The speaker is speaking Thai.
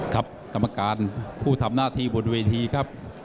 กรรมการผู้ทำหน้าที่บนเวทีครับ